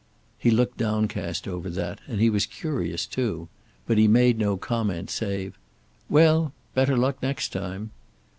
He looked downcast over that, and he was curious, too. But he made no comment save: "Well, better luck next time."